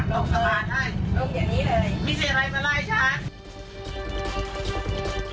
มีเสียงอะไรมาล่ายใช่ไหม